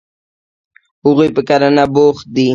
هغوی په کرنه بوخت دي.